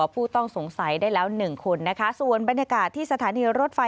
ผู้ต้องสงสัยได้แล้วหนึ่งคนนะคะส่วนบรรยากาศที่สถานีรถไฟ